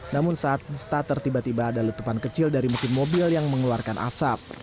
namun saat starter tiba tiba ada letupan kecil dari mesin mobil yang mengeluarkan asap